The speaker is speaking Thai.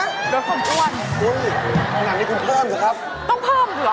เดี๋ยวผมอ้วนอยู่อุ๊ยอันนี้คุณเพิ่มสิครับ